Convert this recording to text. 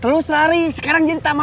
terus lari sekarang jadi tambah lapar